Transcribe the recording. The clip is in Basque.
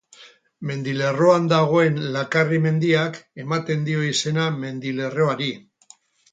Mendilerroan dagoen Lakarri mendiak ematen dio izena mendilerroari.